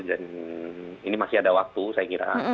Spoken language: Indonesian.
ini masih ada waktu saya kira